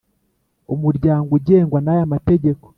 Umuryango ugengwa n aya mategeko